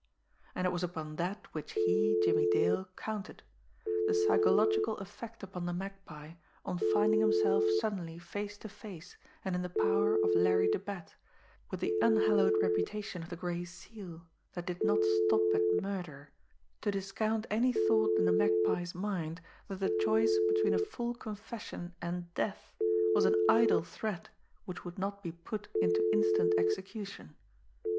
And it was upon that which he, Jimmie Dale, counted the psychological effect upon the Magpie on finding himself suddenly face to face and in the power of Larry the Bat, with the unhallowed reputation of the Gray Seal, that did not stop at murder, to discount any thought in the Magpie's mind that the choice between a full confession and death was an idle threat which would not be put into instant execution.